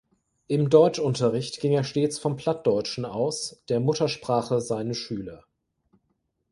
Im Deutschunterricht ging er stets vom Plattdeutschen aus, der Muttersprache seine Schüler.